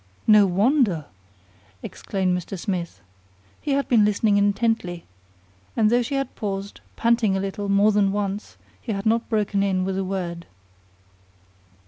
"No wonder!" exclaimed Mr. Smith. He had been listening intently, and though she had paused, panting a little, more than once, he had not broken in with a word.